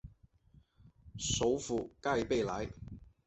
首府盖贝莱。